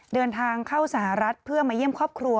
เดินทางเข้าสหรัฐเพื่อมาเยี่ยมครอบครัว